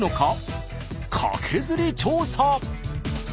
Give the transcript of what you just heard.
カケズリ調査。